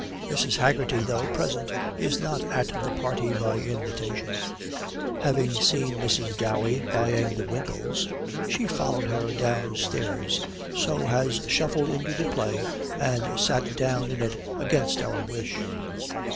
Mrs. Haggerty, though present, is not at the party by invitation; having seen Mrs. Dowey buying the winkles, she followed her downstairs, so has shuffled into the play and sat down in it against our wish.